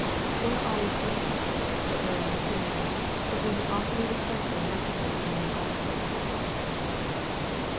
They are always with us. but rarely seen, that we may awfully respect their messages' when they are seen."